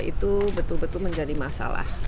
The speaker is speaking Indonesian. itu betul betul menjadi masalah